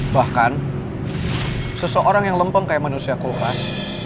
bahkan seseorang yang lempeng kayak manusia keluar